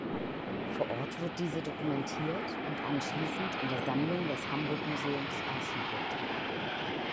Vor Ort wird diese dokumentiert und anschließend in der Sammlung des Hamburg-Museums archiviert.